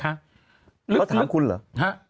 เขาถามคุณเหรอ